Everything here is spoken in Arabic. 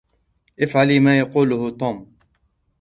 إفعلى ما يقوله توم.